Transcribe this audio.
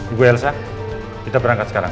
ibu elsa kita berangkat sekarang